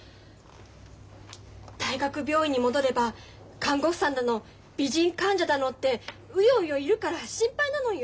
大学病院に戻れば看護婦さんだの美人患者だのってウヨウヨいるから心配なのよ。